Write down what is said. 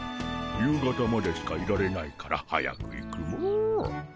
夕方までしかいられないから早く行くモ。